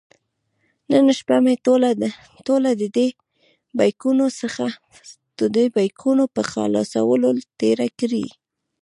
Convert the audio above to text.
نن شپه مې ټوله د دې بیکونو په خلاصولو تېره کړې.